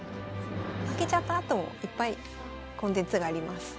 負けちゃったあともいっぱいコンテンツがあります。